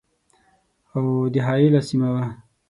اَوَد حایله سیمه وه.